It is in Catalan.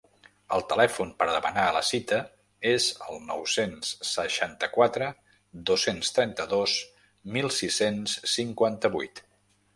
El telèfon per a demanar la cita és el nou-cents seixanta-quatre dos-cents trenta-dos mil sis-cents cinquanta-vuit.